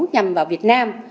nhằm vào việt nam